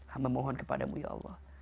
hama mohon kepadamu ya allah